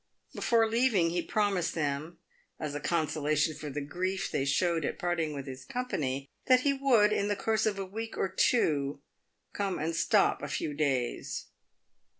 Be fore leaving he promised them, as a consolation for the grief they showed at parting with his company, that he would, in the course of a week or two, come and stop a few days.